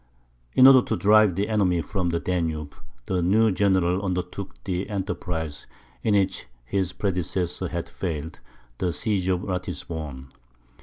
In order to drive the enemy from the Danube, the new general undertook the enterprise in which his predecessor had failed, the siege of Ratisbon.